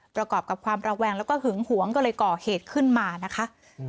ประกอบกับความระแวงแล้วก็หึงหวงก็เลยก่อเหตุขึ้นมานะคะ